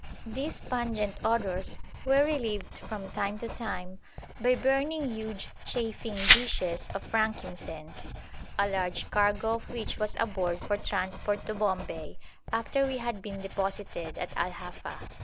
These pungent odours were relieved from time to time by burning huge chafing dishes of frankincense, a large cargo of which was aboard for transport to Bombay after we had been deposited at Al Hafa.